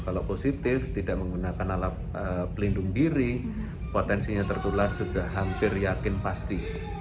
kalau positif tidak menggunakan alat pelindung diri potensinya tertular sudah hampir yakin pasti